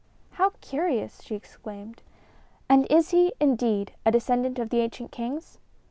"How curious!" she exclaimed. "And is he, indeed, a descendant of the ancient kings?"